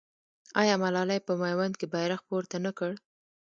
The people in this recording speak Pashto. آیا ملالۍ په میوند کې بیرغ پورته نه کړ؟